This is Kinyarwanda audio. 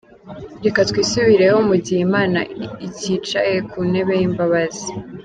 Reka twisubireho mu gihe Imana icyicaye ku ntebe y’imbabazi!